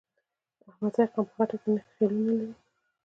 احمدزی قوم په غټه کې نهه خيلونه لري.